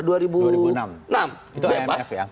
itu imf ya